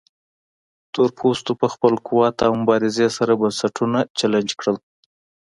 تورپوستو په خپل قوت او مبارزې سره بنسټونه چلنج کړل.